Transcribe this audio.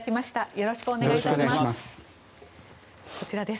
よろしくお願いします。